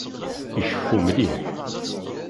Iceffu mliḥ.